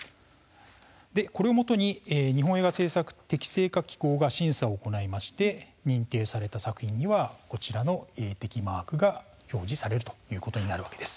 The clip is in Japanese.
これをもとに日本映画制作適正化機構が審査を行いまして認定された作品にはこちらの映適マークが表示されるということになるわけです。